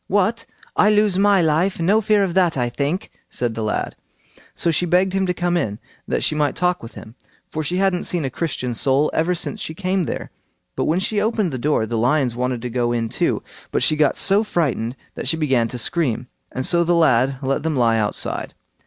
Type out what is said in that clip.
"What! I lose my life! No fear of that, I think," said the lad. So she begged him to come in, that she might talk with him, for she hadn't seen a Christian soul ever since she came there. But when she opened the door the lions wanted to go in too, but she got so frightened that she began to scream, and so the lad let them lie outside.